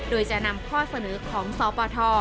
โดยจะนำข้อเสนอของสปท